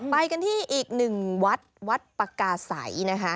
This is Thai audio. ไปกันที่อีกหนึ่งวัดวัดปากกาศัยนะคะ